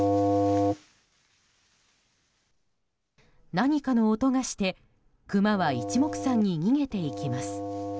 何かの音がしてクマは一目散に逃げていきます。